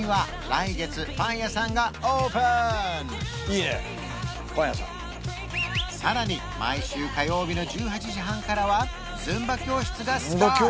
いいねパン屋さんさらに毎週火曜日の１８時半からはズンバ教室がスタート